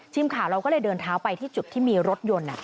ทีมข่าวเราก็เลยเดินเท้าไปที่จุดที่มีรถยนต์